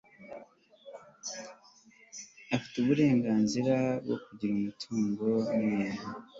afite uburenganzira bwo kugira umutungo n'ibintu